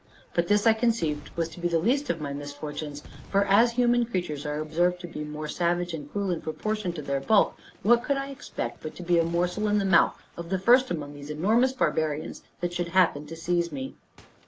But this I conceived was to be the least of my misfortunes; for, as human creatures are observed to be more savage and cruel in proportion to their bulk, what could I expect but to be a morsel in the mouth of the first among these enormous barbarians that should happen to seize me?